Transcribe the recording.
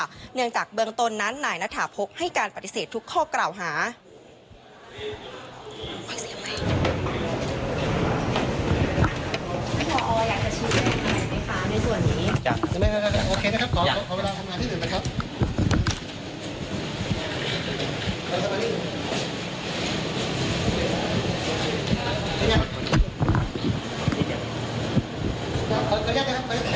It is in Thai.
ขอเวลาคำถามที่หนึ่งนะครับ